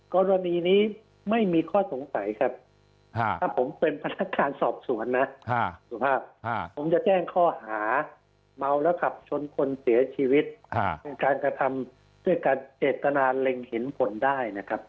กรณีนี้ไม่มีข้อสงสัยครับถ้าผมเป็นพนักงานสอบสวนนะสุภาพผมจะแจ้งข้อหาเมาแล้วขับชนคนเสียชีวิตเป็นการกระทำด้วยการเจตนาเล็งเห็นผลได้นะครับ